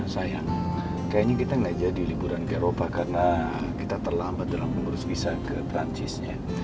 sayang kayaknya kita nggak jadi liburan ke eropa karena kita terlambat dalam mengurus visa ke perancisnya